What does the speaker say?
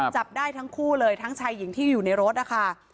จับได้ทั้งคู่เลยทั้งชายหญิงที่อยู่ในรถนะคะ